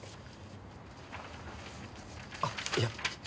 あっいや。